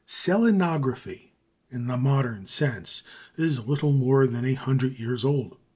Selenography, in the modern sense, is little more than a hundred years old.